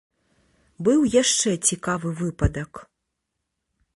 Быў яшчэ цікавы выпадак.